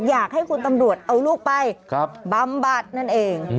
อยากให้คุณตำรวจเอาลูกไปบำบัดนั่นเอง